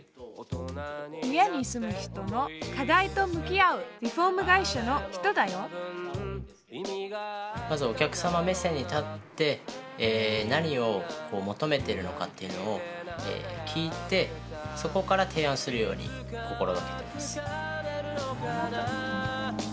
家に住む人の課題と向き合うリフォーム会社の人だよまずお客様目線に立って何を求めてるのかっていうのを聞いてそこから提案するように心がけてます。